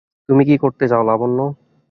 তুমি কী করতে চাও, লাবণ্য।